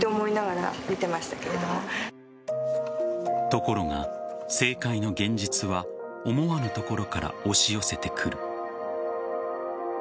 ところが、政界の現実は思わぬところから押し寄せてくる。